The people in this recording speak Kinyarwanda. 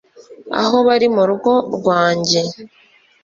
aho bari mu rugo rwanjye